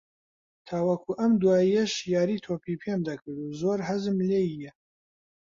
تاوەکو ئەم دواییەش یاری تۆپی پێم دەکرد و زۆرم حەز لێییە